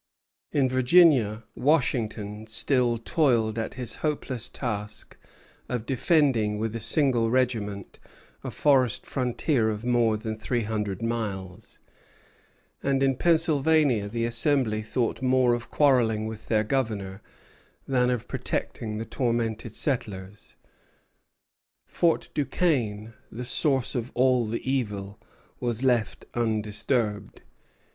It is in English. In Virginia Washington still toiled at his hopeless task of defending with a single regiment a forest frontier of more than three hundred miles; and in Pennsylvania the Assembly thought more of quarrelling with their governor than of protecting the tormented settlers. Fort Duquesne, the source of all the evil, was left undisturbed.